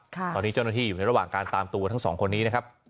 ตอนนี้เจ้าหน้าที่อยู่ในระหว่างการตามตัวทั้งสองคนนี้นะครับ